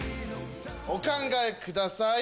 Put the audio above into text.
お考えください。